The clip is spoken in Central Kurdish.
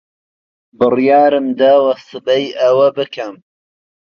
بڕیارم داوە سبەی ئەوە بکەم.